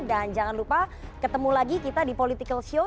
dan jangan lupa ketemu lagi kita di political show